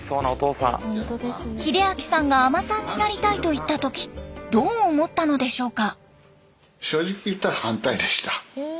秀明さんが海人さんになりたいと言った時どう思ったのでしょうか？